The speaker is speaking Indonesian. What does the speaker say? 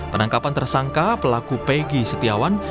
penangkapan tersangka pelaku pegi setiawan